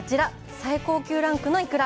最高級ランクのイクラ。